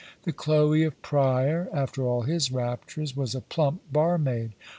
The Chloe of Prior, after all his raptures, was a plump barmaid.